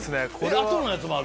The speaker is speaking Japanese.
あとのやつもある？